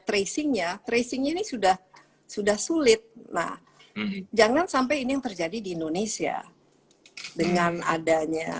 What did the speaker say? tracingnya tracingnya ini sudah sudah sulit nah jangan sampai ini yang terjadi di indonesia dengan adanya